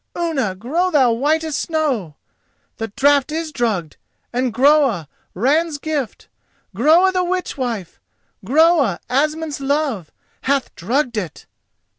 Unna, grow thou white as snow! The draught is drugged and Groa, Ran's gift! Groa the Witch Wife! Groa, Asmund's love! hath drugged it!"